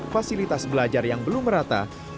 fasilitas belajar yang belum merata